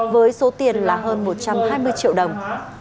với số tiền là hơn một trăm hai mươi triệu đồng